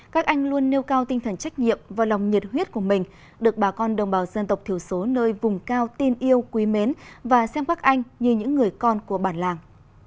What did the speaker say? các anh luôn nêu cao tinh thần trách nhiệm và lòng nhiệt huyết của mình được bà con đồng bào dân tộc thiểu số nơi vùng cao tin yêu quý mến và xem các anh như những người con của bản làng